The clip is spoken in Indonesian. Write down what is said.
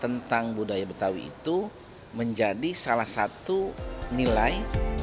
tentang budaya betawi itu menjadi salah satu nilai